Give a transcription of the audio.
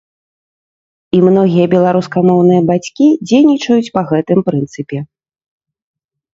І многія беларускамоўныя бацькі дзейнічаюць па гэтым прынцыпе.